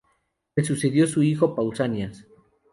Le sucedió su hijo Pausanias.